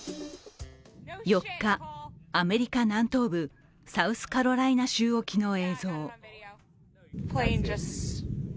４日、アメリカ南東部サウスカロライナ州沖の映像。